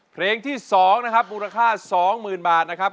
เพลงที่สองนะครับมูลค่าสองหมื่นบาทนะครับ